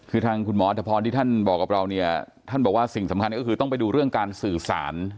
คือทางคุณหมออธพรที่ท่านบอกกับเราเนี่ยท่านบอกว่าสิ่งสำคัญก็คือต้องไปดูเรื่องการสื่อสาร